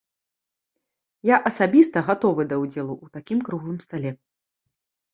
Я асабіста гатовы да ўдзелу ў такім круглым стале.